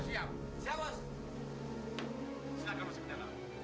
dewa warman aku bukan penjahat